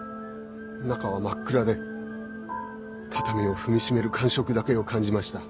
中は真っ暗で畳を踏みしめる感触だけを感じました。